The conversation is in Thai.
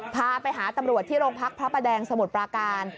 พาไปหาตำรวจที่โรงพักพระประแดงสมุทรปราการ